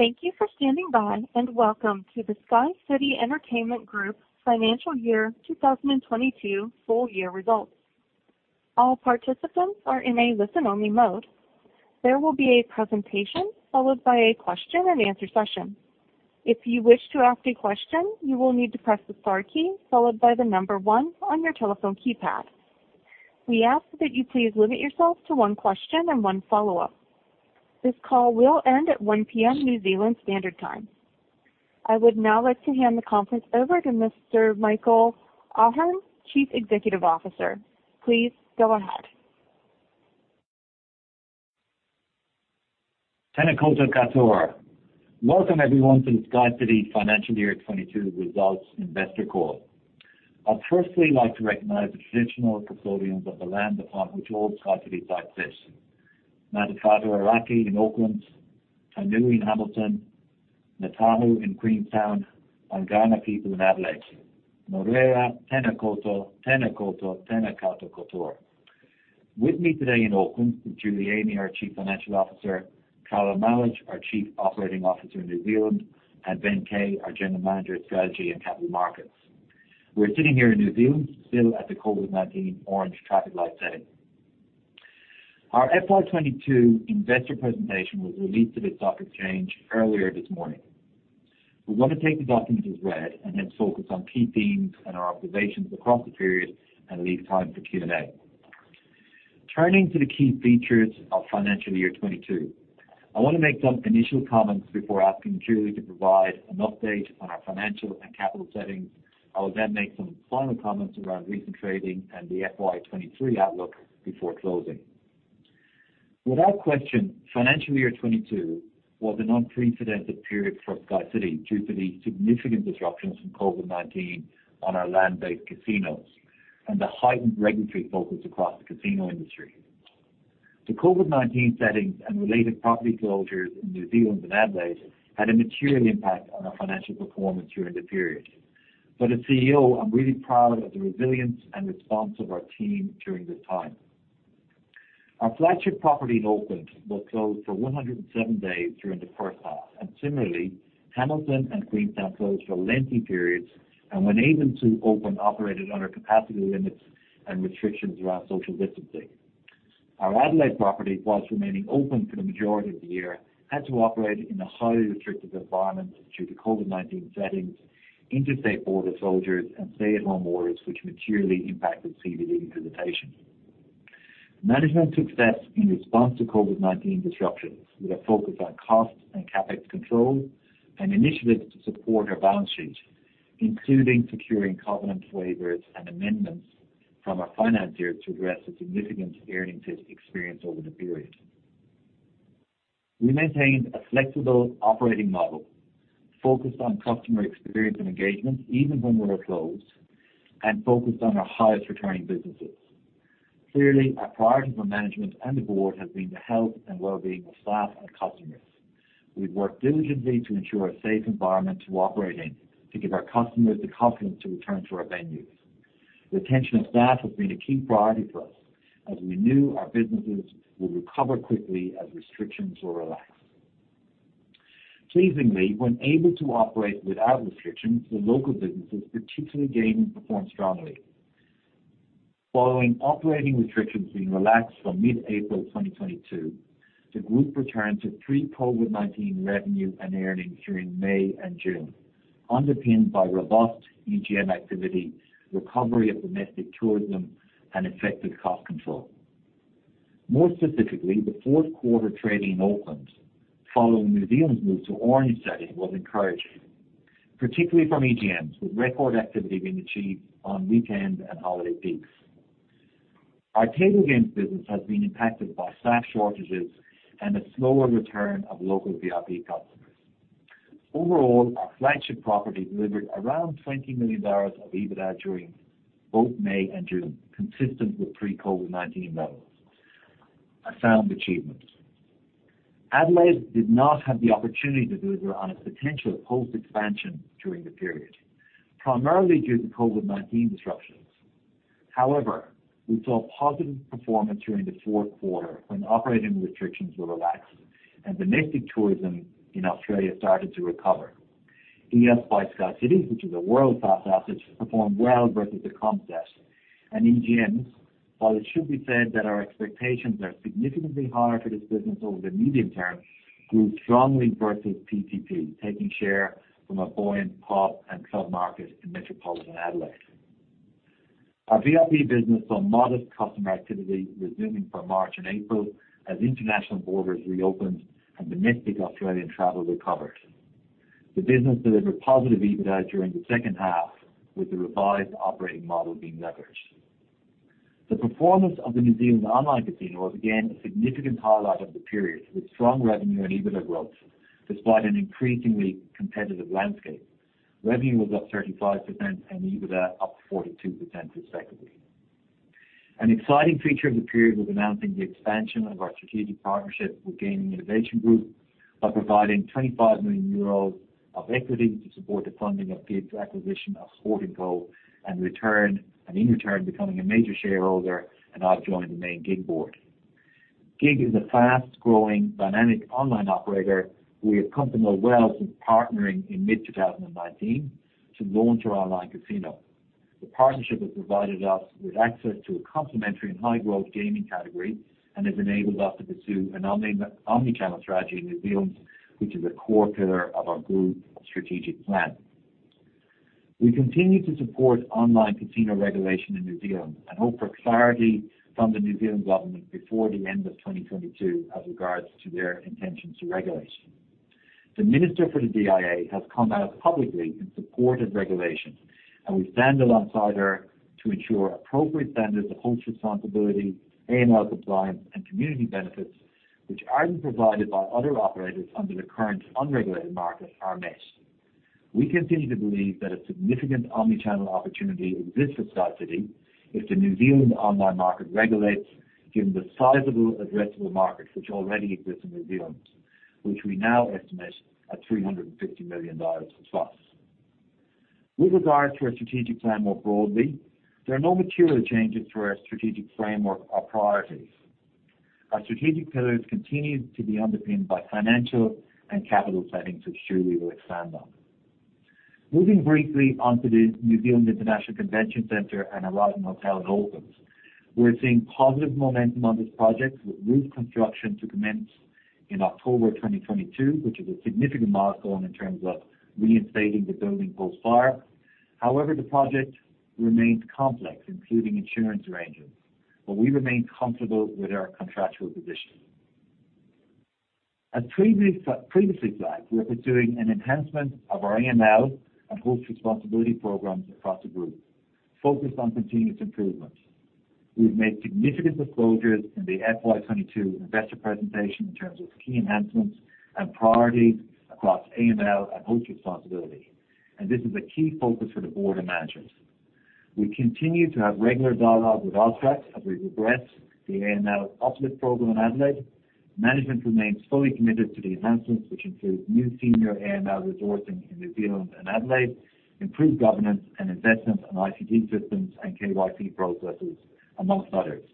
Thank you for standing by, and welcome to the SkyCity Entertainment Group Financial Year 2022 Full Year Results. All participants are in a listen-only mode. There will be a presentation followed by a question and answer session. If you wish to ask a question, you will need to press the star key followed by the number one on your telephone keypad. We ask that you please limit yourself to one question and one follow-up. This call will end at 1:00 P.M. New Zealand Standard Time. I would now like to hand the conference over to Mr. Michael Ahearne, Chief Executive Officer. Please go ahead. Tena koutou katoa. Welcome everyone to the SkyCity Financial Year 2022 Results Investor Call. I'd firstly like to recognize the traditional custodians of the land upon which all SkyCity sites sit. Ngā iwi o Tāmaki Makaurau in Auckland, Tainui in Hamilton, Ngāi Tahu in Queenstown, and Kaurna people in Adelaide. Ngā reira, tena koutou, tena koutou, tena koutou katoa. With me today in Auckland is Julie Amey, our Chief Financial Officer, Callum Mallett, our Chief Operating Officer in New Zealand, and Ben Kay, our General Manager of Strategy and Capital Markets. We're sitting here in New Zealand, still at the COVID-19 orange traffic light setting. Our FY 2022 investor presentation was released to the stock exchange earlier this morning. We want to take you up into the red and then focus on key themes and our observations across the period and leave time for Q&A. Turning to the key features of financial year 2022. I want to make some initial comments before asking Julie to provide an update on our financial and capital settings. I will then make some final comments around recent trading and the FY 2023 outlook before closing. Without question, financial year 2022 was an unprecedented period for SkyCity due to the significant disruptions from COVID-19 on our land-based casinos and the heightened regulatory focus across the casino industry. The COVID-19 settings and related property closures in New Zealand and Adelaide had a material impact on our financial performance during the period. As CEO, I'm really proud of the resilience and response of our team during this time. Our flagship property in Auckland was closed for 107 days during the first half, and similarly, Hamilton and Queenstown closed for lengthy periods and when able to open, operated under capacity limits and restrictions around social distancing. Our Adelaide property, while remaining open for the majority of the year, had to operate in a highly restricted environment due to COVID-19 settings, interstate border closures, and stay-at-home orders which materially impacted CBD visitation. Management took steps in response to COVID-19 disruptions, with a focus on cost and CapEx control and initiatives to support our balance sheet, including securing covenant waivers and amendments from our financier to address the significant earnings hit experienced over the period. We maintained a flexible operating model focused on customer experience and engagement, even when we were closed, and focused on our highest returning businesses. Clearly, our priority for management and the board has been the health and well-being of staff and customers. We've worked diligently to ensure a safe environment to operate in, to give our customers the confidence to return to our venues. Retention of staff has been a key priority for us as we knew our businesses would recover quickly as restrictions were relaxed. Pleasingly, when able to operate without restrictions, the local businesses, particularly gaming, performed strongly. Following operating restrictions being relaxed from mid-April 2022, the group returned to pre-COVID-19 revenue and earnings during May and June, underpinned by robust EGM activity, recovery of domestic tourism, and effective cost control. More specifically, the fourth quarter trading in Auckland following New Zealand's move to orange setting was encouraging, particularly from EGMs, with record activity being achieved on weekends and holiday peaks. Our table games business has been impacted by staff shortages and a slower return of local VIP customers. Overall, our flagship property delivered around 20 million dollars of EBITDA during both May and June, consistent with pre-COVID-19 levels. A sound achievement. Adelaide did not have the opportunity to deliver on its potential post-expansion during the period, primarily due to COVID-19 disruptions. However, we saw positive performance during the fourth quarter when operating restrictions were relaxed and domestic tourism in Australia started to recover. Eos by SkyCity, which is a world-class asset, has performed well versus the comp set and EGMs, while it should be said that our expectations are significantly higher for this business over the medium term, grew strongly versus PCP, taking share from a buoyant pub and club market in metropolitan Adelaide. Our VIP business saw modest customer activity resuming from March and April as international borders reopened and domestic Australian travel recovered. The business delivered positive EBITDA during the second half, with the revised operating model being leveraged. The performance of the New Zealand Online Casino was again a significant highlight of the period, with strong revenue and EBITDA growth despite an increasingly competitive landscape. Revenue was up 35% and EBITDA up 42% respectively. An exciting feature of the period was announcing the expansion of our strategic partnership with Gaming Innovation Group. By providing 25 million euros of equity to support the funding of GIG's acquisition of Sportingbet, and in return, becoming a major shareholder, and I've joined the main GIG board. GIG is a fast-growing dynamic online operator who we have come to know well since partnering in mid-2019 to launch our online casino. The partnership has provided us with access to a complementary and high-growth gaming category, and has enabled us to pursue an omni-channel strategy in New Zealand, which is a core pillar of our group strategic plan. We continue to support online casino regulation in New Zealand and hope for clarity from the New Zealand government before the end of 2022 as regards to their intentions regarding regulation. The Minister for the DIA has come out publicly in support of regulation, and we stand alongside her to ensure appropriate standards of host responsibility, AML compliance, and community benefits, which aren't provided by other operators under the current unregulated market, are met. We continue to believe that a significant omni-channel opportunity exists for SkyCity if the New Zealand online market regulates given the sizable addressable market which already exists in New Zealand, which we now estimate at 350 million dollars+. With regards to our strategic plan more broadly, there are no material changes to our strategic framework or priorities. Our strategic pillars continue to be underpinned by financial and capital settings, which Julie will expand on. Moving briefly on to the New Zealand International Convention Centre and Horizon Hotel in Auckland. We're seeing positive momentum on this project with roof construction to commence in October 2022, which is a significant milestone in terms of reinstating the building post-fire. However, the project remains complex, including insurance arrangements, but we remain comfortable with our contractual position. As previously flagged, we are pursuing an enhancement of our AML and host responsibility programs across the group, focused on continuous improvement. We've made significant disclosures in the FY 2022 investor presentation in terms of key enhancements and priorities across AML and host responsibility. This is a key focus for the board and managers. We continue to have regular dialogue with AUSTRAC as we progress the AML uplift program in Adelaide. Management remains fully committed to the enhancements, which include new senior AML resourcing in New Zealand and Adelaide, improved governance and investments in ICT systems and KYC processes, among others.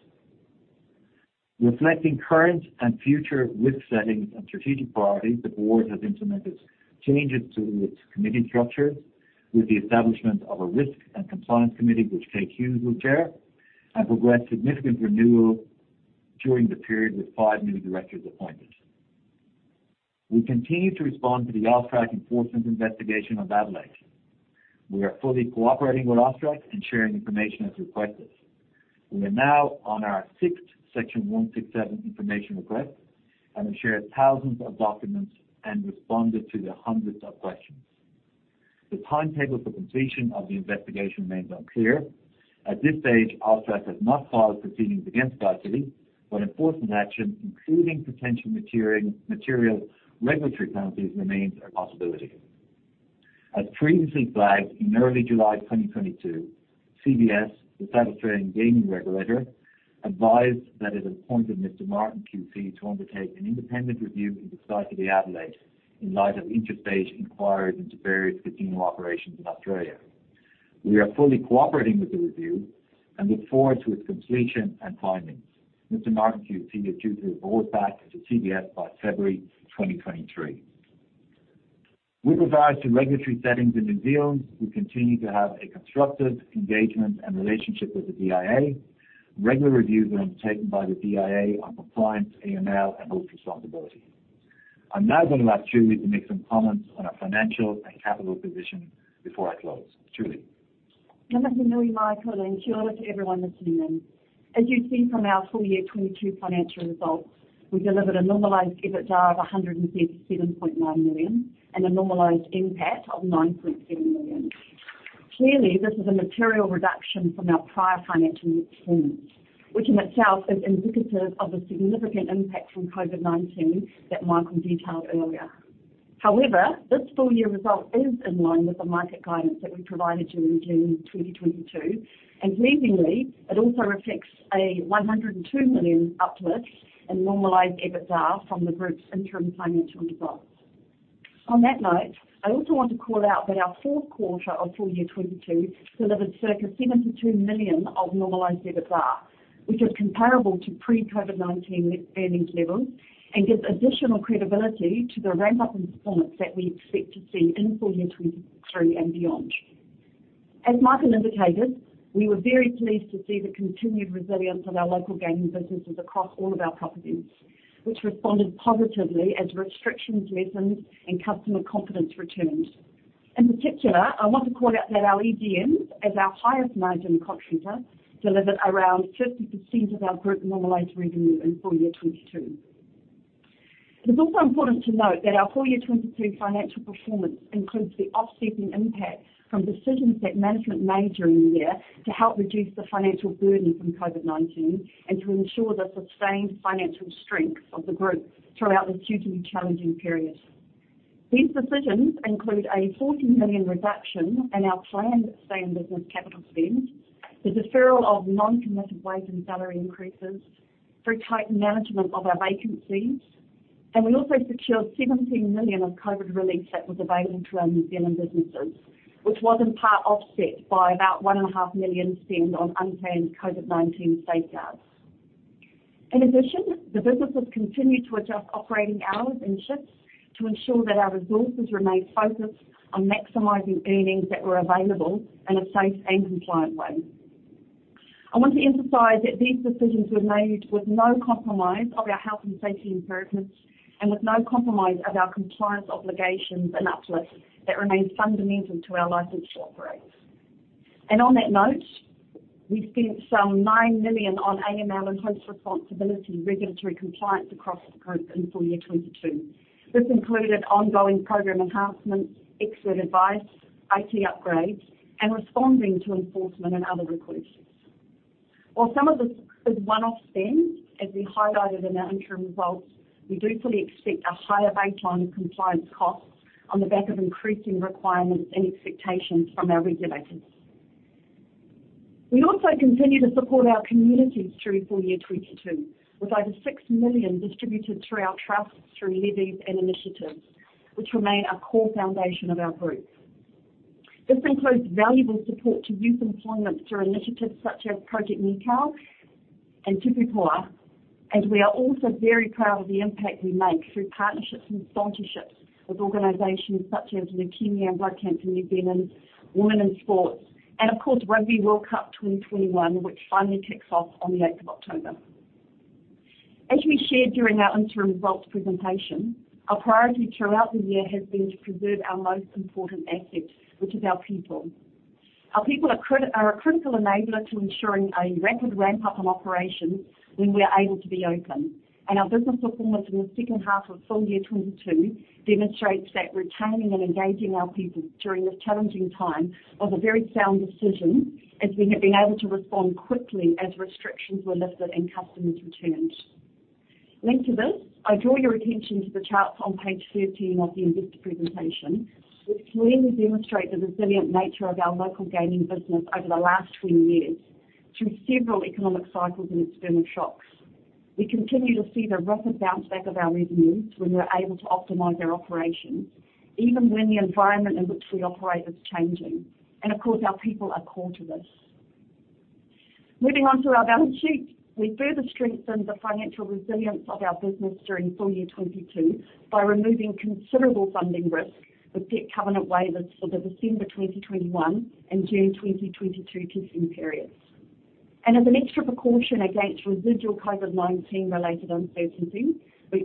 Reflecting current and future risk settings and strategic priorities, the board has implemented changes to its committee structure with the establishment of a risk and compliance committee, which Kate Hughes will chair, and progressed significant renewal during the period with five new directors appointed. We continue to respond to the AUSTRAC enforcement investigation of Adelaide. We are fully cooperating with AUSTRAC and sharing information as requested. We are now on our sixth Section 167 information request, and we've shared thousands of documents and responded to the hundreds of questions. The timetable for completion of the investigation remains unclear. At this stage, AUSTRAC has not filed proceedings against SkyCity, but enforcement action, including potential material regulatory penalties, remains a possibility. As previously flagged, in early July 2022, CBS, the South Australian gaming regulator, advised that it appointed Mr. Martin QC to undertake an independent review into SkyCity Adelaide in light of interstate inquiries into various casino operations in Australia. We are fully cooperating with the review and look forward to its completion and findings. Mr. Martin QC is due to report back to CBS by February 2023. With regards to regulatory settings in New Zealand, we continue to have a constructive engagement and relationship with the DIA. Regular reviews are undertaken by the DIA on compliance, AML, and host responsibility. I'm now going to ask Julie to make some comments on our financial and capital position before I close. Julie. Michael, and kia ora to everyone this evening. As you've seen from our full-year 2022 financial results, we delivered a normalized EBITDA of 137.9 million and a normalized NPAT of 9.7 million. Clearly, this is a material reduction from our prior financial performance, which in itself is indicative of the significant impact from COVID-19 that Michael detailed earlier. However, this full-year result is in line with the market guidance that we provided during June 2022, and pleasingly, it also reflects a 102 million uplift in normalized EBITDA from the group's interim financial results. On that note, I also want to call out that our fourth quarter of full year 2022 delivered circa 72 million of normalized EBITDA, which is comparable to pre-COVID-19 earnings levels and gives additional credibility to the ramp-up in performance that we expect to see in full year 2023 and beyond. As Michael indicated, we were very pleased to see the continued resilience of our local gaming businesses across all of our properties, which responded positively as restrictions lessened and customer confidence returned. In particular, I want to call out that our EGMs, as our highest margin cost center, delivered around 50% of our group normalized revenue in full year 2022. It is also important to note that our full year 2022 financial performance includes the offsetting impact from decisions that management made during the year to help reduce the financial burden from COVID-19 and to ensure the sustained financial strength of the group throughout this hugely challenging period. These decisions include a 14 million reduction in our planned same business capital spend, the deferral of non-competitive wage and salary increases through tight management of our vacancies. We also secured 17 million of COVID relief that was available to our New Zealand businesses, which was in part offset by about 1.5 million spent on unplanned COVID-19 safeguards. In addition, the businesses continued to adjust operating hours and shifts to ensure that our resources remain focused on maximizing earnings that were available in a safe and compliant way. I want to emphasize that these decisions were made with no compromise of our health and safety improvements and with no compromise of our compliance obligations and uplifts that remain fundamental to our license to operate. On that note, we spent some 9 million on AML and host responsibility regulatory compliance across the group in full year 2022. This included ongoing program enhancements, expert advice, IT upgrades, and responding to enforcement and other requests. While some of this is one-off spend, as we highlighted in our interim results, we do fully expect a higher baseline of compliance costs on the back of increasing requirements and expectations from our regulators. We also continue to support our communities through full year 2022, with over 6 million distributed through our trusts, through levies and initiatives, which remain a core foundation of our group. This includes valuable support to youth employment through initiatives such as Project Nikau and TupuToa. We are also very proud of the impact we make through partnerships and sponsorships with organizations such as Leukaemia & Blood Cancer New Zealand., Women in Sport, and of course, Rugby World Cup 2021, which finally kicks off on the 8th of October. As we shared during our interim results presentation, our priority throughout the year has been to preserve our most important asset, which is our people. Our people are a critical enabler to ensuring a rapid ramp-up in operations when we are able to be open. Our business performance in the second half of full year 2022 demonstrates that retaining and engaging our people during this challenging time was a very sound decision as we have been able to respond quickly as restrictions were lifted and customers returned. Linked to this, I draw your attention to the charts on page 13 of the Investor presentation, which clearly demonstrate the resilient nature of our local gaming business over the last 20 years through several economic cycles and external shocks. We continue to see the rapid bounce back of our revenues when we are able to optimize our operations, even when the environment in which we operate is changing. Of course, our people are core to this. Moving on to our balance sheet. We further strengthened the financial resilience of our business during full year 2022 by removing considerable funding risk with debt covenant waivers for the December 2021 and June 2022 testing periods. We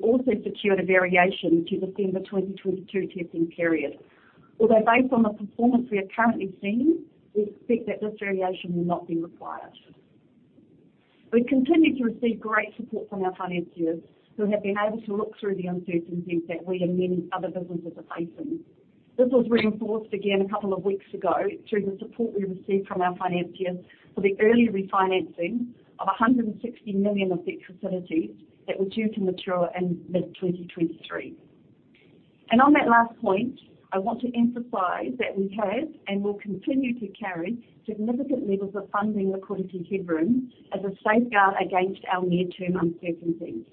also secured a variation to December 2022 testing period as an extra precaution against residual COVID-19 related uncertainty. Although based on the performance we are currently seeing, we expect that this variation will not be required. We've continued to receive great support from our financiers who have been able to look through the uncertainty that we and many other businesses are facing. This was reinforced again a couple of weeks ago through the support we received from our financier for the early refinancing of 160 million of debt facilities that were due to mature in mid-2023. On that last point, I want to emphasize that we have and will continue to carry significant levels of funding liquidity headroom as a safeguard against our near-term uncertainties.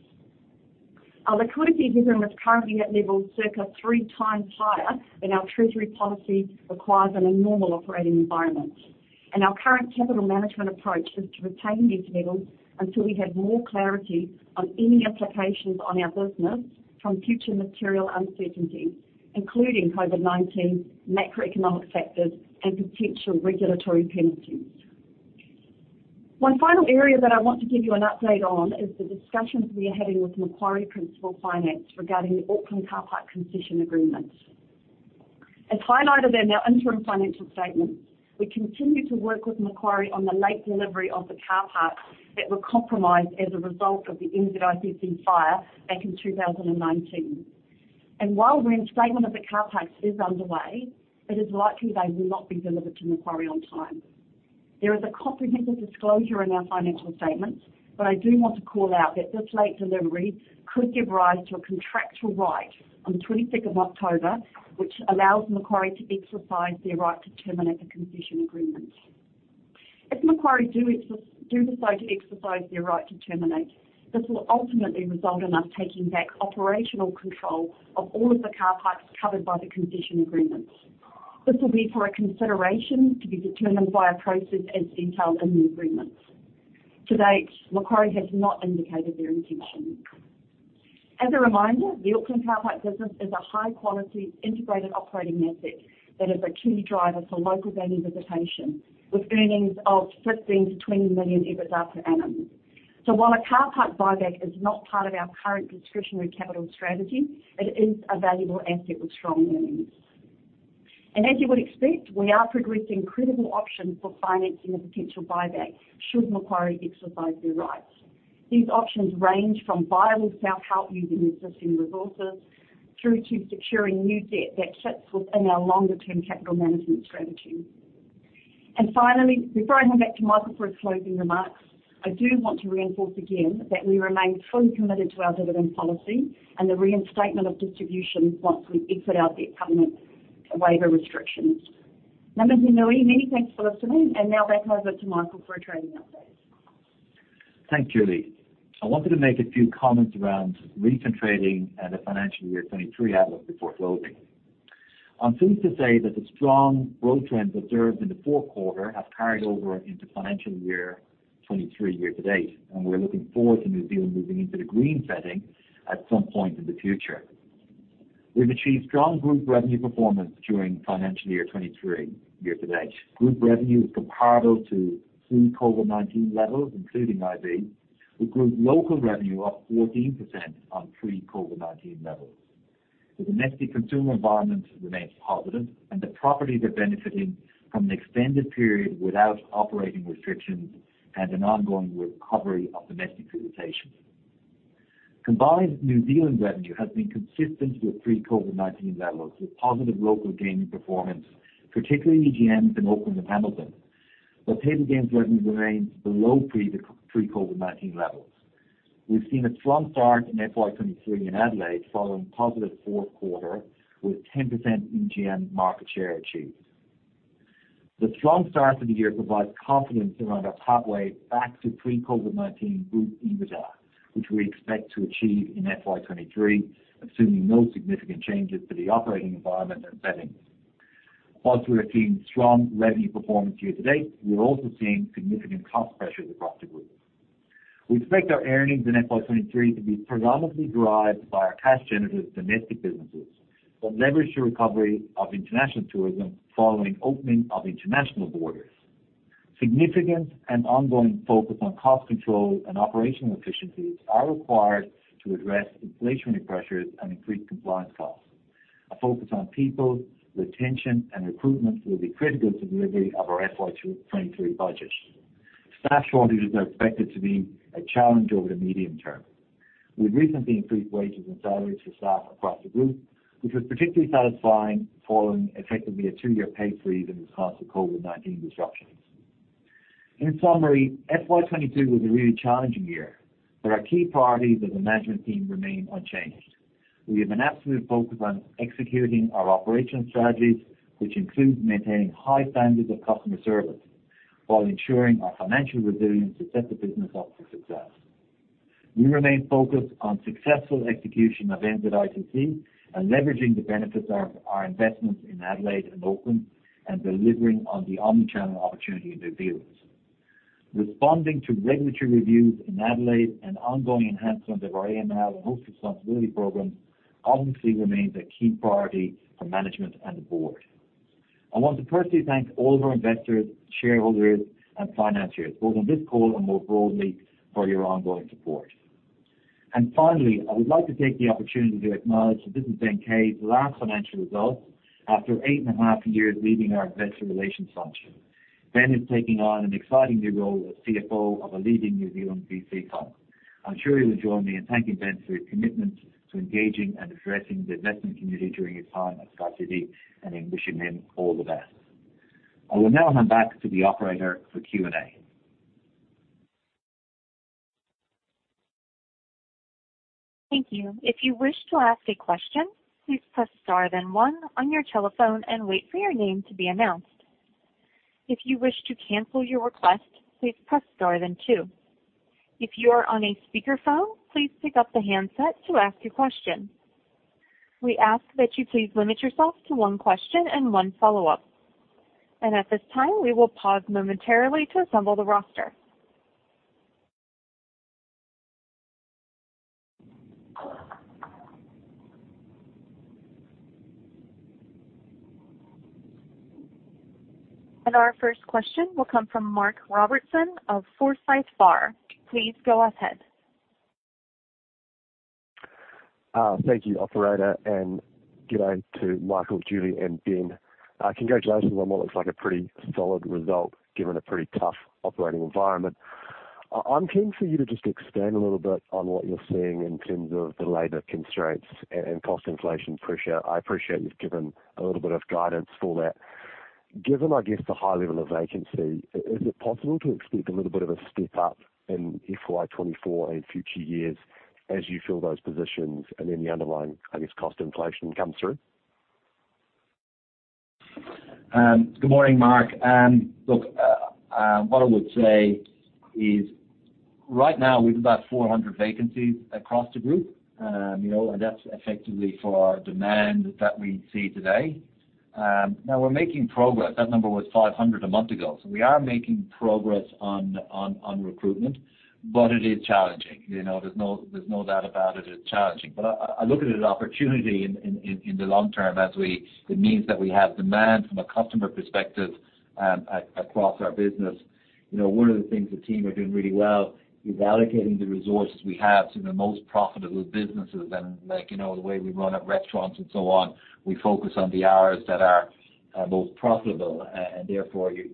Our liquidity headroom is currently at levels circa three times higher than our treasury policy requires in a normal operating environment. Our current capital management approach is to retain these levels until we have more clarity on any implications on our business from future material uncertainties, including COVID-19, macroeconomic factors, and potential regulatory penalties. One final area that I want to give you an update on is the discussions we are having with Macquarie Principal Finance regarding the Auckland Carpark Concession Agreement. As highlighted in our interim financial statements, we continue to work with Macquarie on the late delivery of the car parks that were compromised as a result of the NZICC fire back in 2019. While reinstatement of the car parks is underway, it is likely they will not be delivered to Macquarie on time. There is a comprehensive disclosure in our financial statements, but I do want to call out that this late delivery could give rise to a contractual right on the twenty-sixth of October, which allows Macquarie to exercise their right to terminate the concession agreement. If Macquarie do decide to exercise their right to terminate, this will ultimately result in us taking back operational control of all of the car parks covered by the concession agreement. This will be for a consideration to be determined by a process as detailed in the agreement. To date, Macquarie has not indicated their intentions. As a reminder, the Auckland Carpark business is a high-quality integrated operating asset that is a key driver for local value visitation, with earnings of 15-20 million EBITDA per annum. While a car park buyback is not part of our current discretionary capital strategy, it is a valuable asset with strong earnings. As you would expect, we are progressing credible options for financing a potential buyback should Macquarie exercise their rights. These options range from viable self-help using existing resources through to securing new debt that sits within our longer-term capital management strategy. Finally, before I hand back to Michael for his closing remarks, I do want to reinforce again that we remain fully committed to our dividend policy and the reinstatement of distributions once we exit our debt covenant waiver restrictions. Many thanks for listening. Now back over to Michael for a trading update. Thanks, Julie. I wanted to make a few comments around recent trading and the financial year 2023 outlook before closing. I'm pleased to say that the strong growth trends observed in the fourth quarter have carried over into financial year 2023 year to date, and we're looking forward to New Zealand moving into the green setting at some point in the future. We've achieved strong group revenue performance during financial year 2023 year to date. Group revenue is comparable to pre-COVID-19 levels, including IB, with group local revenue up 14% on pre-COVID-19 levels. The domestic consumer environment remains positive, and the properties are benefiting from an extended period without operating restrictions and an ongoing recovery of domestic visitation. Combined New Zealand revenue has been consistent with pre-COVID-19 levels, with positive local gaming performance, particularly EGMs in Auckland and Hamilton. Table games revenue remains below pre-COVID-19 levels. We've seen a strong start in FY 2023 in Adelaide following a positive fourth quarter, with 10% EGM market share achieved. The strong start to the year provides confidence around our pathway back to pre-COVID-19 group EBITDA, which we expect to achieve in FY 2023, assuming no significant changes to the operating environment and settings. While we are seeing strong revenue performance year to date, we are also seeing significant cost pressures across the group. We expect our earnings in FY 2023 to be predominantly derived by our cash generative domestic businesses that leverage the recovery of international tourism following opening of international borders. Significant and ongoing focus on cost control and operational efficiencies are required to address inflationary pressures and increased compliance costs. A focus on people, retention, and recruitment will be critical to the delivery of our FY 2023 budget. Staff shortages are expected to be a challenge over the medium term. We've recently increased wages and salaries for staff across the group, which was particularly satisfying following effectively a two-year pay freeze in response to COVID-19 disruptions. In summary, FY 2022 was a really challenging year, but our key priorities as a management team remain unchanged. We have an absolute focus on executing our operational strategies, which includes maintaining high standards of customer service while ensuring our financial resilience to set the business up for success. We remain focused on successful execution of NZICC and leveraging the benefits of our investments in Adelaide and Auckland and delivering on the omni-channel opportunity in New Zealand. Responding to regulatory reviews in Adelaide and ongoing enhancements of our AML and host responsibility programs obviously remains a key priority for management and the board. I want to personally thank all of our investors, shareholders, and financiers, both on this call and more broadly, for your ongoing support. Finally, I would like to take the opportunity to acknowledge that this is Ben Kay's last financial results after eight and a half years leading our investor relations function. Ben is taking on an exciting new role as CFO of a leading New Zealand VC firm. I'm sure you will join me in thanking Ben for his commitment to engaging and addressing the investment community during his time at SkyCity, and in wishing him all the best. I will now hand back to the operator for Q&A. Thank you. If you wish to ask a question, please press star then one on your telephone and wait for your name to be announced. If you wish to cancel your request, please press star then two. If you are on a speakerphone, please pick up the handset to ask your question. We ask that you please limit yourself to one question and one follow-up. At this time, we will pause momentarily to assemble the roster. Our first question will come from Mark Robertson of Forsyth Barr. Please go ahead. Thank you, operator, and good day to Michael, Julie, and Ben. Congratulations on what looks like a pretty solid result, given a pretty tough operating environment. I'm keen for you to just expand a little bit on what you're seeing in terms of the labor constraints and cost inflation pressure. I appreciate you've given a little bit of guidance for that. Given, I guess, the high level of vacancy, is it possible to expect a little bit of a step-up in FY 2024 and future years as you fill those positions and then the underlying, I guess, cost inflation comes through? Good morning, Mark. Look, what I would say is right now we've about 400 vacancies across the group. You know, that's effectively for demand that we see today. Now we're making progress. That number was 500 a month ago. We are making progress on recruitment, but it is challenging. You know, there's no doubt about it's challenging. I look at it as opportunity in the long term it means that we have demand from a customer perspective, across our business. You know, one of the things the team are doing really well is allocating the resources we have to the most profitable businesses and like, you know, the way we run our restaurants and so on, we focus on the hours that are most profitable, and therefore you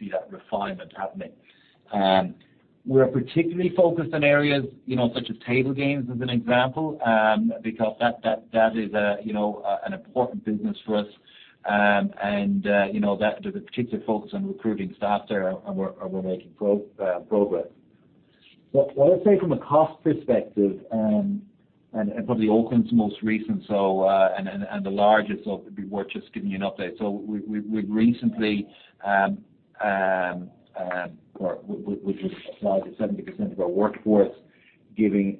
see that refinement happening. We're particularly focused on areas, you know, such as table games as an example, because that is an important business for us. You know, that there's a particular focus on recruiting staff there and we're making progress. What I'd say from a cost perspective, and probably Auckland's most recent, and the largest, so it'd be worth just giving you an update. We've recently. We just applied it 70% of our workforce given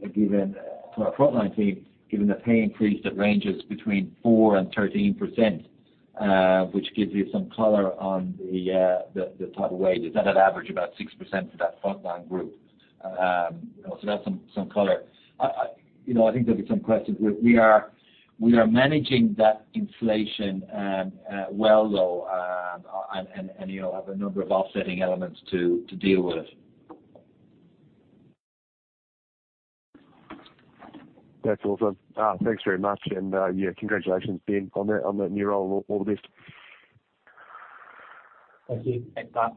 to our frontline team, given the pay increase that ranges between 4%-13%, which gives you some color on the type of wages that had averaged about 6% for that frontline group. You know, that's some color. You know, I think there'll be some questions. We are managing that inflation well, and you know, have a number of offsetting elements to deal with. That's awesome. Thanks very much. Yeah, congratulations, Ben, on the new role. All the best. Thank you. Thanks, Mark.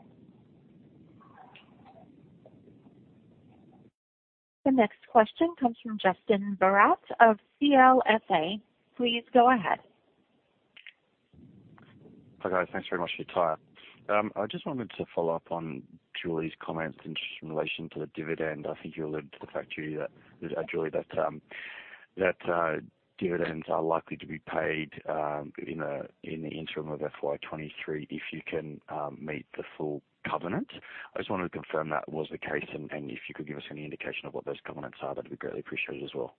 The next question comes from Justin Barratt of CLSA. Please go ahead. Hi, guys. Thanks very much for your time. I just wanted to follow up on Julie's comments in relation to the dividend. I think you alluded to the fact, Julie, that dividends are likely to be paid in the interim of FY 2023 if you can meet the full covenant. I just wanted to confirm that was the case, and if you could give us any indication of what those covenants are, that'd be greatly appreciated as well.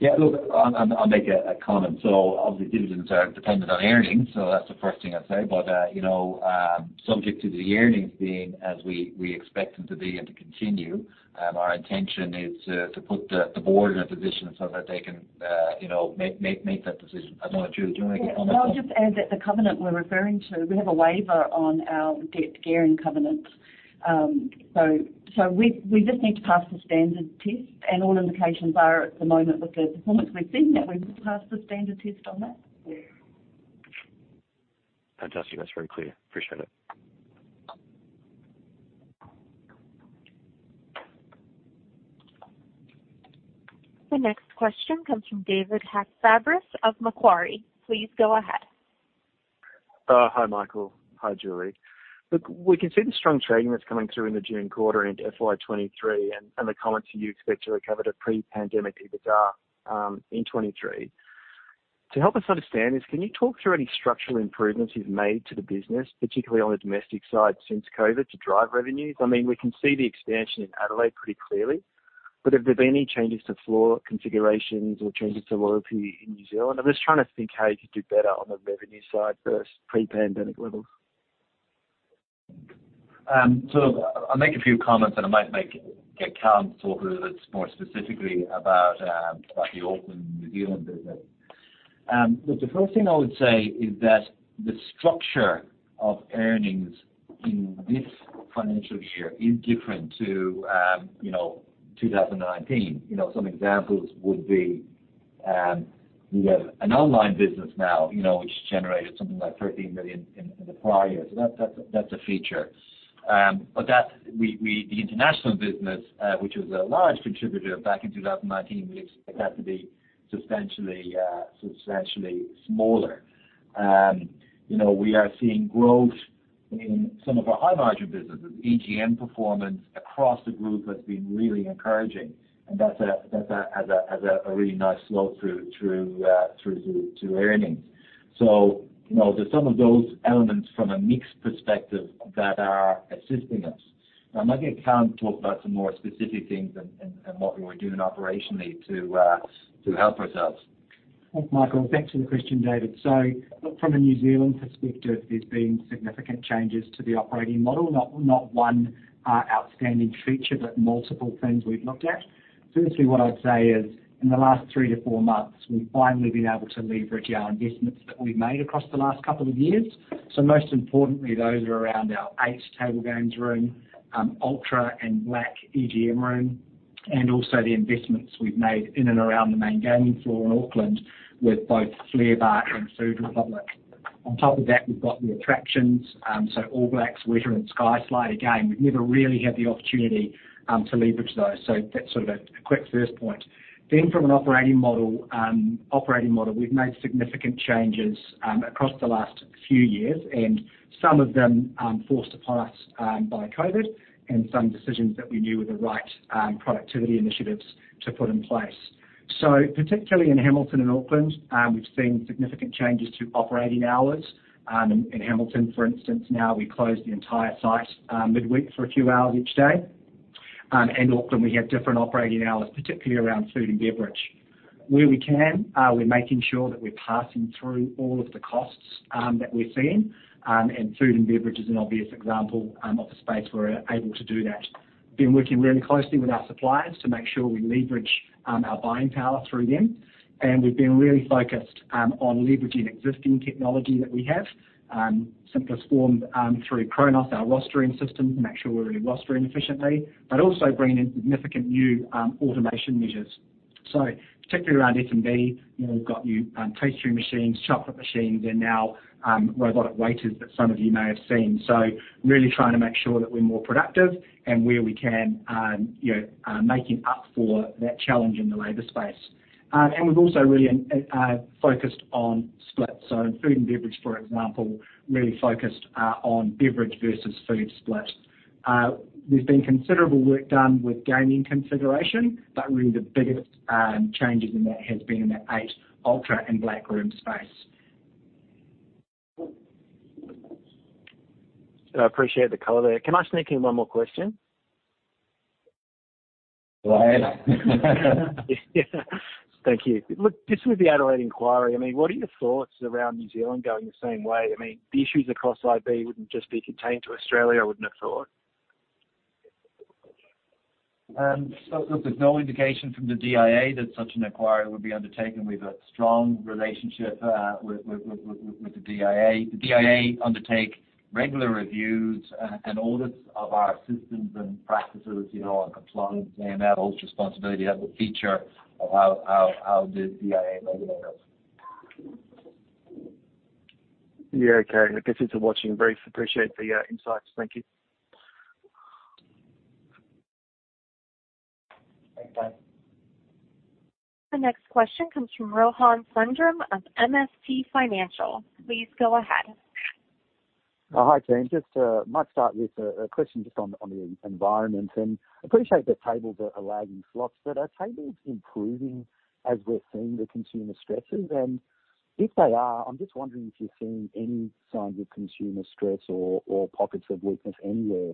Look, I'll make a comment. Obviously dividends are dependent on earnings, so that's the first thing I'd say. You know, subject to the earnings being as we expect them to be and to continue, our intention is to put the board in a position so that they can, you know, make that decision. I don't know, Julie, do you wanna comment on that? Yeah. I'll just add that the covenant we're referring to, we have a waiver on our debt gearing covenant. So we just need to pass the standard test. All indications are at the moment with the performance we've seen that we've passed the standard test on that. Yeah. Fantastic. That's very clear. Appreciate it. The next question comes from David Fabris of Macquarie. Please go ahead. Hi, Michael. Hi, Julie. Look, we can see the strong trading that's coming through in the June quarter into FY 2023 and the comments you expect to recover the pre-pandemic EBITDA in 2023. To help us understand this, can you talk through any structural improvements you've made to the business, particularly on the domestic side since COVID, to drive revenues? I mean, we can see the expansion in Adelaide pretty clearly, but have there been any changes to floor configurations or changes to loyalty in New Zealand? I'm just trying to think how you could do better on the revenue side versus pre-pandemic levels. I'll make a few comments, and I might get Callum Mallett to talk a little bit more specifically about the Auckland, New Zealand business. Look, the first thing I would say is that the structure of earnings in this financial year is different to, you know, 2019. You know, some examples would be, we have an online business now, you know, which generated something like 13 million in the prior year. That's a feature. But that's the international business, which was a large contributor back in 2019, we expect that to be substantially smaller. You know, we are seeing growth in some of our high-margin businesses. EGM performance across the group has been really encouraging, and that has a really nice flow through to earnings. You know, there's some of those elements from a mix perspective that are assisting us. I might get Callum to talk about some more specific things and what we were doing operationally to help ourselves. Thanks, Michael. Thanks for the question, David. Look, from a New Zealand perspective, there's been significant changes to the operating model, not one outstanding feature, but multiple things we've looked at. Firstly, what I'd say is in the last three to four months, we've finally been able to leverage our investments that we've made across the last couple of years. Most importantly, those are around our Eight table games room, Ultra and Black EGM room, and also the investments we've made in and around the main gaming floor in Auckland with both Flair Bar and Food Republic. On top of that, we've got new attractions, so All Blacks, Wētā and SkySlide. Again, we've never really had the opportunity to leverage those. That's sort of a quick first point. From an operating model, we've made significant changes across the last few years, and some of them forced upon us by COVID and some decisions that we knew were the right productivity initiatives to put in place. Particularly in Hamilton and Auckland, we've seen significant changes to operating hours. In Hamilton, for instance, now we close the entire site midweek for a few hours each day. In Auckland, we have different operating hours, particularly around food and beverage. Where we can, we're making sure that we're passing through all of the costs that we're seeing, and food and beverage is an obvious example of a space we're able to do that. Been working really closely with our suppliers to make sure we leverage our buying power through them. We've been really focused on leveraging existing technology that we have, simplest form, through Kronos, our rostering system, to make sure we're really rostering efficiently, but also bringing in significant new automation measures. Particularly around F&B, you know, we've got new pastry machines, chocolate machines and now robotic waiters that some of you may have seen. Really trying to make sure that we're more productive and where we can, you know, making up for that challenge in the labor space. We've also really focused on split. Food and beverage, for example, really focused on beverage versus food split. There's been considerable work done with gaming consideration, but really the biggest changes in that has been in that Eight, Ultra, and Black room space. I appreciate the color there. Can I sneak in one more question? Go ahead. Thank you. Look, just with the Adelaide inquiry, I mean, what are your thoughts around New Zealand going the same way? I mean, the issues across IB wouldn't just be contained to Australia, I wouldn't have thought. Look, there's no indication from the DIA that such an inquiry would be undertaken. We have a strong relationship with the DIA. The DIA undertake regular reviews and audits of our systems and practices, you know, our compliance. They have that responsibility. That's a feature of how the DIA regulate us. Yeah. Okay. Look, listen to watching brief. Appreciate the insights. Thank you. Thanks, mate. The next question comes from Rohan Sundram of MST Financial. Please go ahead. Hi, team. Might start with a question just on the environment, and appreciate the tables are lagging slots, but are tables improving as we're seeing the consumer stresses? If they are, I'm just wondering if you're seeing any signs of consumer stress or pockets of weakness anywhere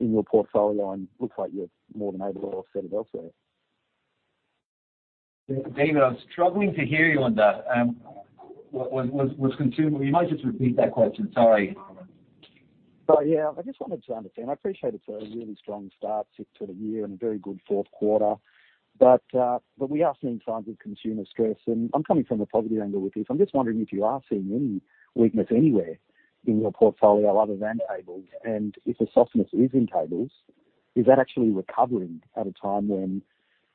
in your portfolio. Looks like you're more than able to offset it elsewhere. David, I'm struggling to hear you on that. What's Consumer... You might just repeat that question, sorry. Oh, yeah. I just wanted to understand. I appreciate it's a really strong start to the year and a very good fourth quarter, but we are seeing signs of consumer stress, and I'm coming from a positive angle with this. I'm just wondering if you are seeing any weakness anywhere in your portfolio other than tables. If the softness is in tables, is that actually recovering at a time when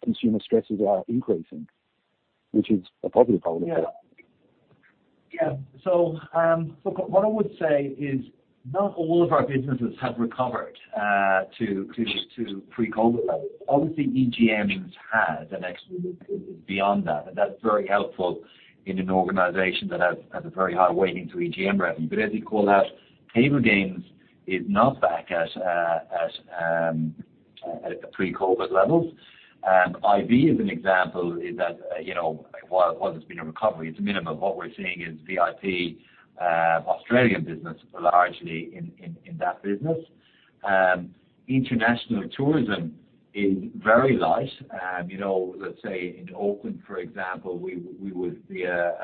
consumer stresses are increasing, which is a positive element? Look, what I would say is not all of our businesses have recovered to pre-COVID levels. Obviously, EGMs has and actually is beyond that. That's very helpful in an organization that has a very high weighting to EGM revenue. As you call out, table games is not back at pre-COVID levels. IB is an example in that, you know, while there's been a recovery, it's minimal. What we're seeing is VIP Australian business largely in that business. International tourism is very light. You know, let's say in Auckland, for example, we would be a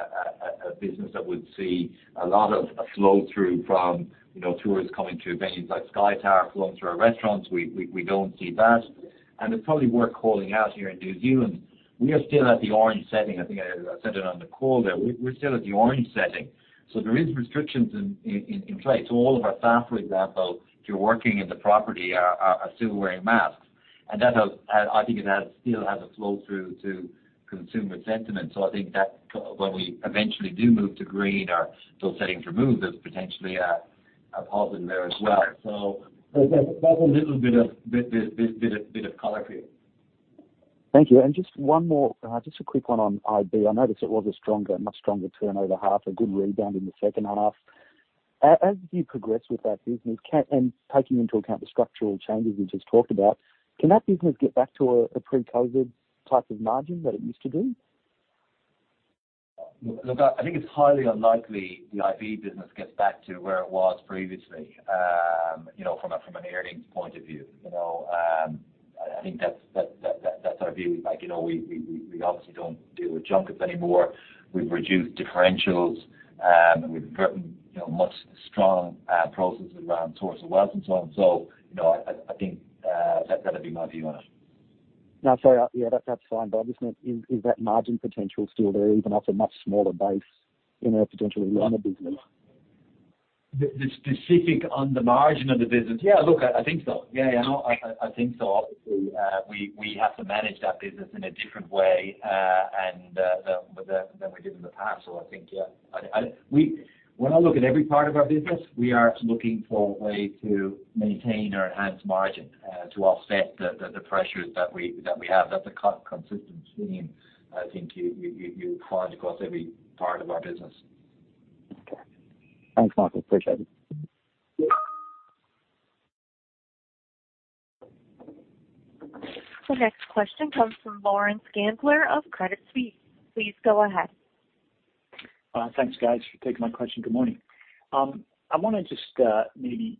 business that would see a lot of flow through from, you know, tourists coming to venues like Sky Tower, flowing through our restaurants. We don't see that. It's probably worth calling out here in New Zealand, we are still at the orange setting. I think I said it on the call there. We're still at the orange setting, so there is restrictions in play. All of our staff, for example, if you're working in the property are still wearing masks. That still has a flow through to consumer sentiment. I think that when we eventually do move to green or those settings removed, there's potentially a pause in there as well. That's a little bit of color for you. Thank you. Just one more. Just a quick one on IB. I noticed it was a stronger, much stronger turnover half, a good rebound in the second half. As you progress with that business, and taking into account the structural changes you just talked about, can that business get back to a pre-COVID type of margin that it used to do? Look, I think it's highly unlikely the IB business gets back to where it was previously. You know, from an earnings point of view. You know, I think that's our view. Like, you know we obviously don't deal with junkets anymore. We've reduced differentials. We've gotten, you know, much stronger processes around source of wealth and so on. You know, I think that'd be my view on it. No, sorry. Yeah, that's fine. I'm just, is that margin potential still there even off a much smaller base in a potentially smaller business? The specific on the margin of the business? Yeah. Look, I think so. Yeah. No, I think so. Obviously, we have to manage that business in a different way than we did in the past. I think, yeah. When I look at every part of our business, we are looking for a way to maintain or enhance margin to offset the pressures that we have. That's a consistent theme I think you find across every part of our business. Okay. Thanks, Michael. Appreciate it. Yeah. The next question comes from Larry Gandler of Credit Suisse. Please go ahead. Thanks, guys, for taking my question. Good morning. I wanna just maybe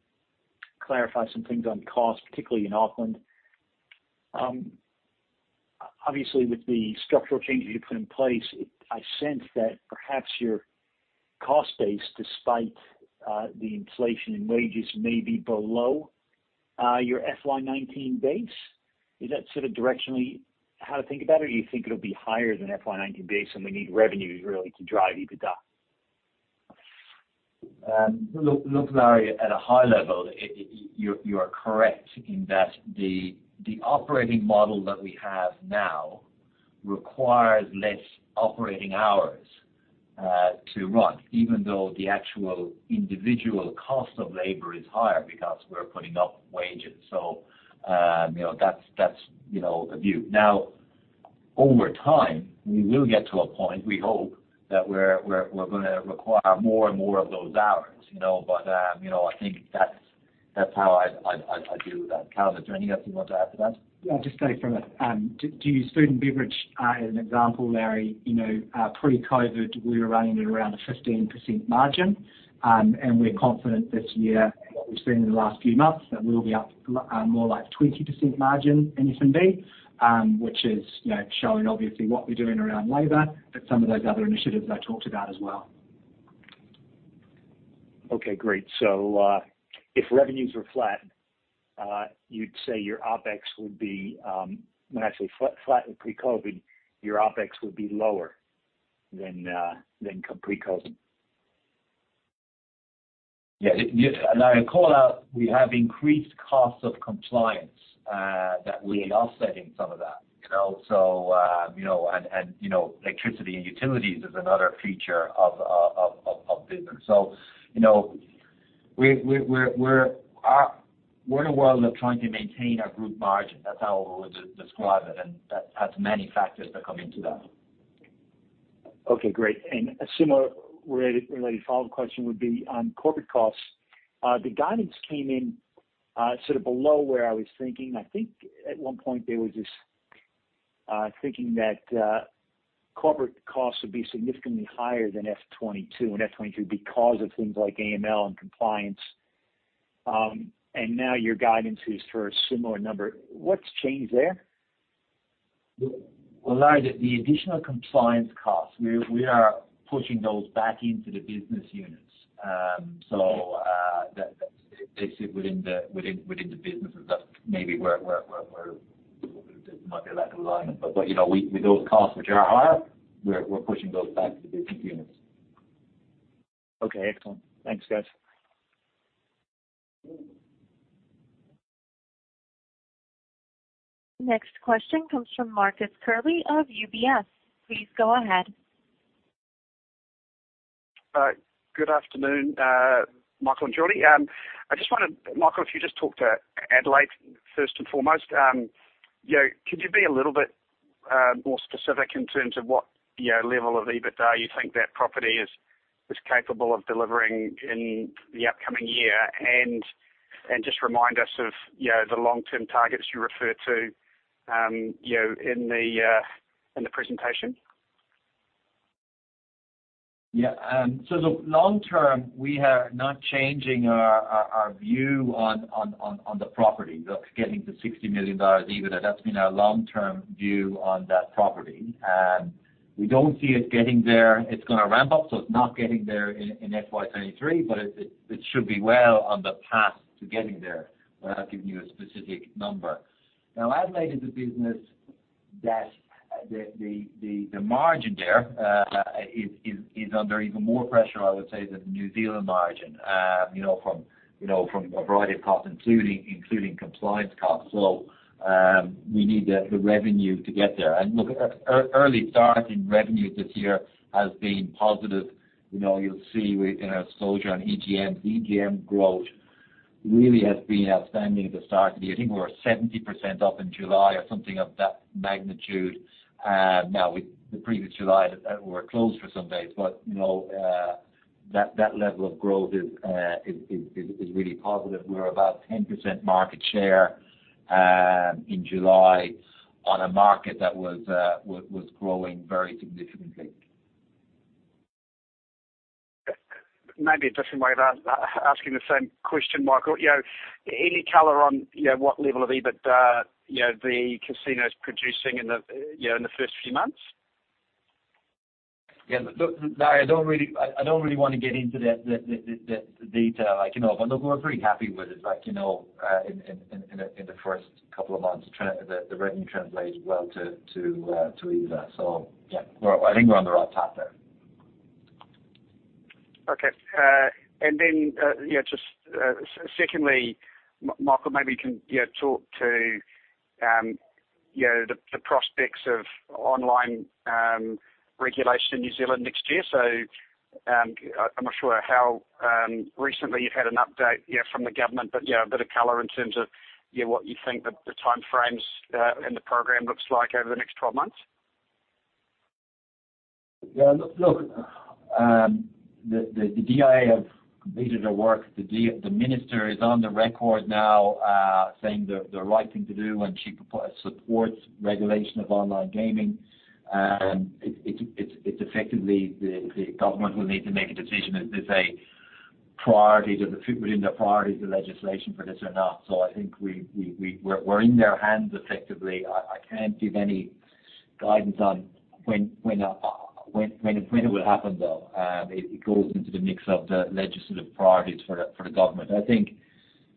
clarify some things on cost, particularly in Auckland. Obviously, with the structural changes you put in place, I sense that perhaps your cost base, despite the inflation in wages, may be below your FY 2019 base. Is that sort of directionally how to think about it? Or do you think it'll be higher than FY 2019 base, and we need revenues really to drive EBITDA? Look, Larry, at a high level, you are correct in that the operating model that we have now requires less operating hours to run, even though the actual individual cost of labor is higher because we're putting up wages. You know, that's a view. Now, over time, we will get to a point, we hope, that we're gonna require more and more of those hours, you know. You know, I think that's how I'd view that. Callum or Julie, anything you want to add to that? Just stay from it. To use food and beverage as an example, Larry, you know, pre-COVID, we were running at around a 15% margin. We're confident this year and what we've seen in the last few months that we'll be up, more like 20% margin in F&B, which is, you know, showing obviously what we're doing around labor, but some of those other initiatives I talked about as well. Okay, great. If revenues were flat, you'd say your OpEx would be. When I say flat with pre-COVID, your OpEx would be lower than pre-COVID. Yes. I call out, we have increased costs of compliance that we are offsetting some of that. You know, so you know, electricity and utilities is another feature of business. You know, we're in a world of trying to maintain our group margin. That's how I would describe it, and that has many factors that come into that. Okay, great. A similar related follow-up question would be on corporate costs. The guidance came in sort of below where I was thinking. I think at one point there was this thinking that corporate costs would be significantly higher than FY 2022 and FY 2023 because of things like AML and compliance. Now your guidance is for a similar number. What's changed there? Well, Larry, the additional compliance costs, we are pushing those back into the business units. That's basically within the businesses. There might be a lack of alignment. You know, with those costs which are higher, we're pushing those back to the business units. Okay, excellent. Thanks, guys. Next question comes from Marcus Curley of UBS. Please go ahead. Good afternoon, Michael and Julie. I just wanted, Michael, if you just talk to Adelaide first and foremost. You know, could you be a little bit more specific in terms of what, you know, level of EBITDA you think that property is capable of delivering in the upcoming year? Just remind us of, you know, the long-term targets you referred to, you know, in the presentation. Yeah. The long term, we are not changing our view on the property. That's getting to 60 million dollars EBITDA. That's been our long-term view on that property. We don't see it getting there. It's gonna ramp up, so it's not getting there in FY 2023, but it should be well on the path to getting there without giving you a specific number. Now, Adelaide is a business that the margin there is under even more pressure, I would say, than the New Zealand margin, you know, from a variety of costs, including compliance costs. We need the revenue to get there. Look, early start in revenue this year has been positive. You know, you'll see in our results on EGMs. EGM growth really has been outstanding at the start of the year. I think we're 70% up in July or something of that magnitude. Now with the previous July that were closed for some days. You know, that level of growth is really positive. We're about 10% market share in July on a market that was growing very significantly. Maybe a different way of asking the same question, Michael. You know, any color on, you know, what level of EBITDA, you know, the casino's producing in the, you know, in the first few months? Yeah. Look, Curley, I don't really wanna get into the detail. Like, you know, in the first couple of months, the revenue translates well to EBITDA. Yeah, I think we're on the right path there. Okay. Secondly, Michael, maybe you can talk to you know the prospects of online regulation in New Zealand next year. I'm not sure how recently you've had an update you know from the government, but you know a bit of color in terms of you know what you think the timeframes and the program looks like over the next 12 months. Yeah. Look, the DIA have completed their work. The minister is on the record now, saying the right thing to do, and she supports regulation of online gaming. It's effectively the government will need to make a decision if there's a priority. Does it fit within their priorities of legislation for this or not? I think we're in their hands, effectively. I can't give any guidance on when it will happen, though. It goes into the mix of the legislative priorities for the government. I think,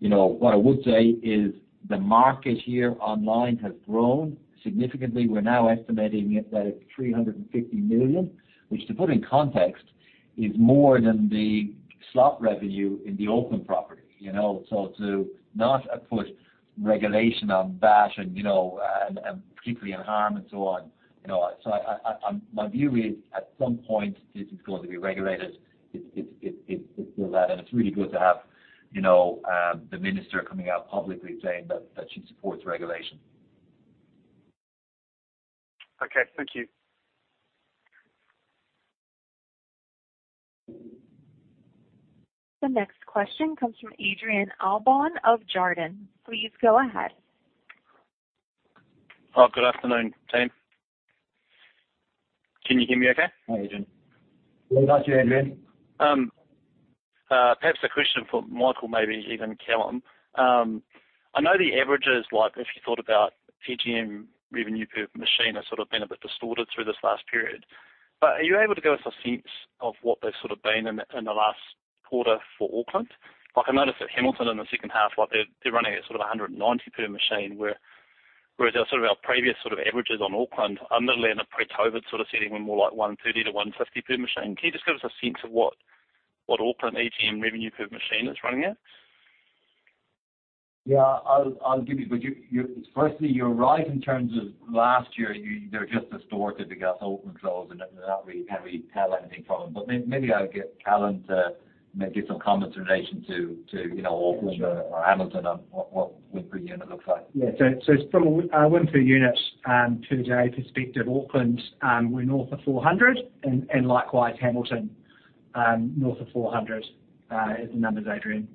you know, what I would say is the market here online has grown significantly. We're now estimating it that it's 350 million, which to put in context, is more than the slot revenue in the Auckland property, you know. To not put regulation on cash and, you know, and particularly in harm and so on, you know. My view is at some point, this is going to be regulated. It's still that. It's really good to have, you know, the minister coming out publicly saying that she supports regulation. Okay. Thank you. The next question comes from Adrian Allbon of Jarden. Please go ahead. Oh, good afternoon, team. Can you hear me okay? Hi, Adrian. We got you, Adrian. Perhaps a question for Michael, maybe even Callum. I know the averages, like if you thought about EGM revenue per machine has sort of been a bit distorted through this last period. Are you able to give us a sense of what they've sort of been in the last quarter for Auckland? Like, I noticed at Hamilton in the second half, like they're running at sort of 190 per machine, whereas sort of our previous sort of averages on Auckland are middle end of pre-COVID sort of sitting more like 130-150 per machine. Can you just give us a sense of what Auckland EGM revenue per machine is running at? Yeah, I'll give you. Firstly, you're right in terms of last year. They're just distorted because Auckland closed, and we can't really tell anything from them. Maybe I'll get Callum to give some comments in relation to you know, Auckland or Hamilton on what win per unit looks like. From a win per unit to date perspective, Auckland, we're north of 400 and likewise Hamilton north of 400 are the numbers, Adrian.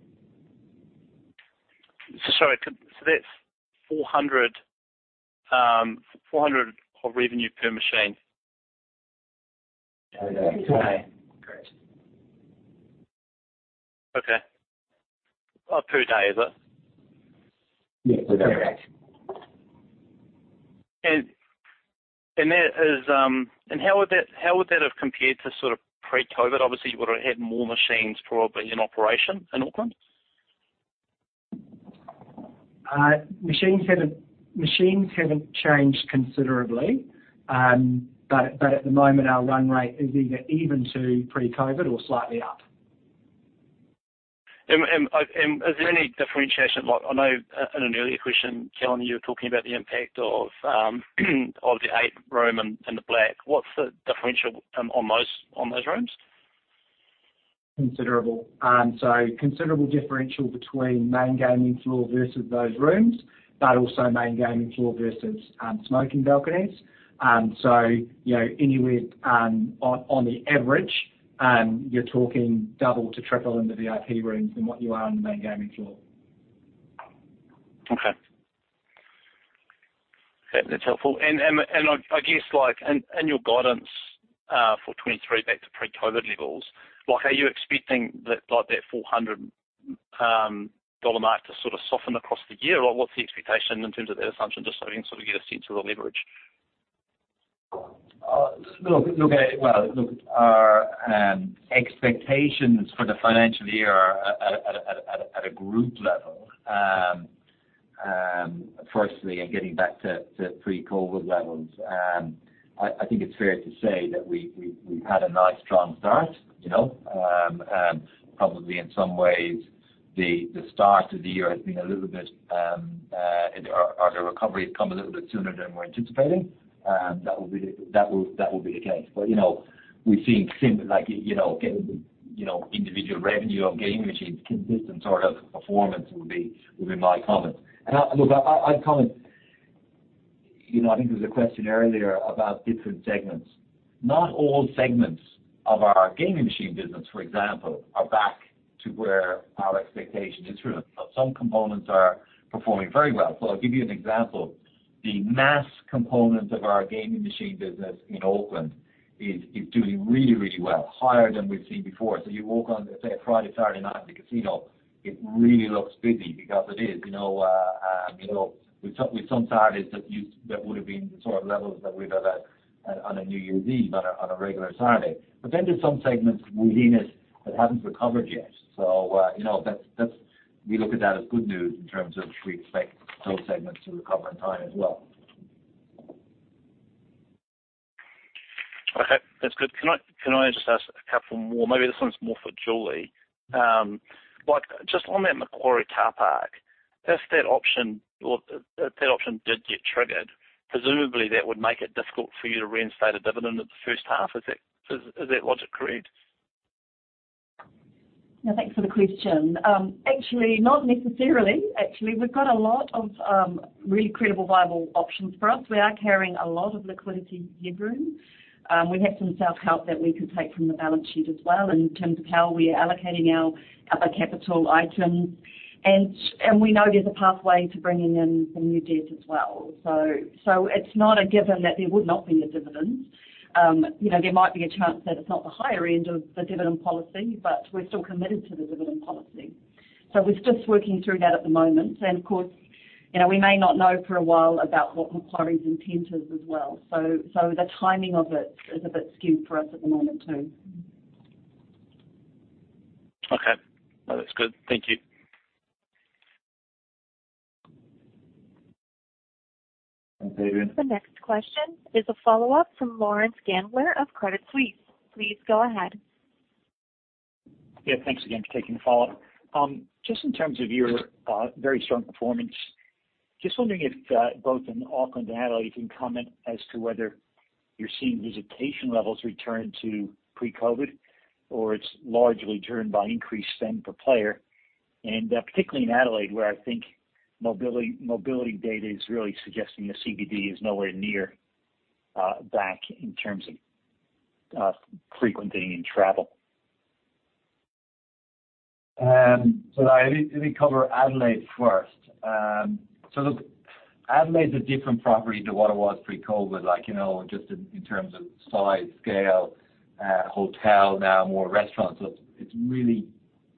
Sorry. That's 400 of revenue per machine? Per day. Per day. Correct. Okay. Per day, is it? Yes, per day. Correct. How would that have compared to sort of pre-COVID? Obviously, you would have had more machines probably in operation in Auckland. Machines haven't changed considerably. At the moment, our run rate is either even to pre-COVID or slightly up. Is there any differentiation, like I know in an earlier question, Callum, you were talking about the impact of the EIGHT room and the BLACK. What's the differential on those rooms? Considerable differential between main gaming floor versus those rooms, but also main gaming floor versus smoking balconies. You know, anywhere on the average, you're talking double to triple in the VIP rooms than what you are on the main gaming floor. Okay. That's helpful. I guess like, in your guidance for 2023 back to pre-COVID levels, like are you expecting that like that 400 dollar mark to sort of soften across the year? Or what's the expectation in terms of that assumption, just so we can sort of get a sense of the leverage? Look at it. Well, look, our expectations for the financial year at a group level, firstly in getting back to pre-COVID levels, I think it's fair to say that we've had a nice strong start, you know. Probably in some ways the start of the year has been a little bit or the recovery's come a little bit sooner than we're anticipating. That will be the case. You know, we've seen similar like, you know, getting individual revenue on gaming machines, consistent sort of performance would be my comment. Look, I'd comment. You know, I think there was a question earlier about different segments. Not all segments of our gaming machine business, for example, are back to where our expectations is from. Some components are performing very well. I'll give you an example. The mass component of our gaming machine business in Auckland is doing really, really well, higher than we've seen before. You walk on, let's say, a Friday, Saturday night at the casino, it really looks busy because it is, you know. With some Saturdays that would have been the sort of levels that we'd have had on a New Year's Eve on a regular Saturday. There's some segments we're seeing it that haven't recovered yet. You know, that's we look at that as good news in terms of we expect those segments to recover in time as well. Okay. That's good. Can I just ask a couple more? Maybe this one's more for Julie. Like just on that Macquarie car park, if that option did get triggered, presumably that would make it difficult for you to reinstate a dividend at the first half. Is that logic correct? Yeah. Thanks for the question. Actually, not necessarily. Actually, we've got a lot of really credible, viable options for us. We are carrying a lot of liquidity headroom. We have some self-help that we could take from the balance sheet as well in terms of how we are allocating our other capital items. We know there's a pathway to bringing in some new debt as well. It's not a given that there would not be a dividend. You know, there might be a chance that it's not the higher end of the dividend policy, but we're still committed to the dividend policy. We're just working through that at the moment. Of course, you know, we may not know for a while about what Macquarie's intent is as well. The timing of it is a bit skewed for us at the moment too. Okay. No, that's good. Thank you. Thanks, Adrian. The next question is a follow-up from Larry Gandler of Credit Suisse. Please go ahead. Yeah, thanks again for taking the follow-up. Just in terms of your very strong performance, just wondering if both in Auckland and Adelaide, you can comment as to whether you're seeing visitation levels return to pre-COVID or it's largely driven by increased spend per player? Particularly in Adelaide, where I think mobility data is really suggesting the CBD is nowhere near back in terms of frequenting and travel. Let me cover Adelaide first. Look, Adelaide is a different property to what it was pre-COVID, like, you know, just in terms of size, scale, hotel, now more restaurants. It's really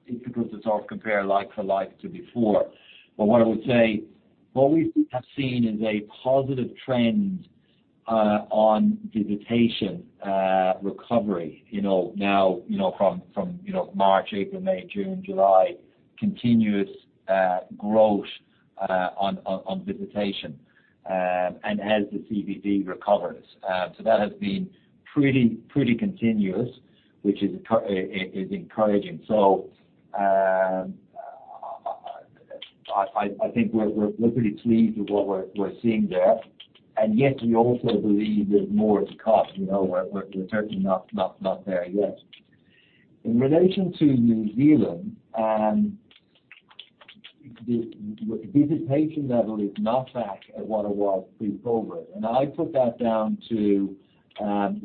difficult to sort of compare like-for-like to before. What I would say, what we have seen is a positive trend on visitation recovery, you know, now from March, April, May, June, July, continuous growth on visitation, and as the CBD recovers. That has been pretty continuous, which is encouraging. I think we're pretty pleased with what we're seeing there. Yet we also believe there's more to come. You know, we're certainly not there yet. In relation to New Zealand, the visitation level is not back at what it was pre-COVID. I put that down to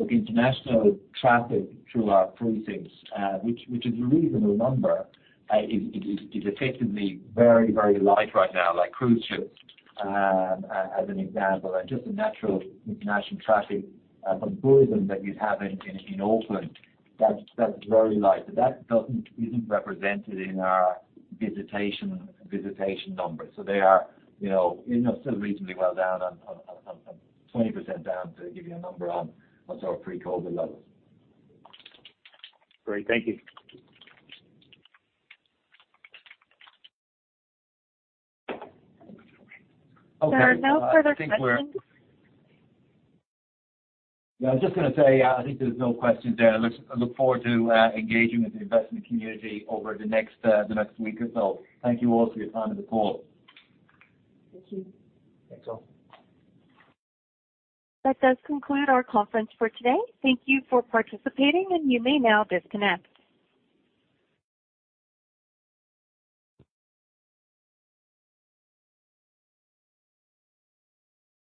international traffic through our precincts, which is a reasonable number. It is effectively very light right now, like cruise ships, as an example, and just the natural international traffic from tourism that you'd have in Auckland, that's very light. That isn't represented in our visitation numbers. They are, you know, still reasonably well down on 20% down to give you a number on sort of pre-COVID levels. Great. Thank you. Okay. There are no further questions. I'm just gonna say I think there's no questions there. I look forward to engaging with the investment community over the next week or so. Thank you all for your time on the call. Thank you. Thanks all. That does conclude our conference for today. Thank you for participating, and you may now disconnect.